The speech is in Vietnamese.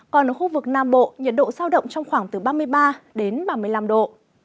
còn ở khu vực nam bộ nhiệt độ sao động trong khoảng từ ba mươi ba ba mươi bốn độ